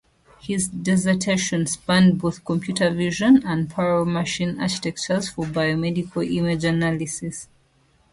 His dissertation spanned both computer vision and parallel machine architectures for biomedical image analysis.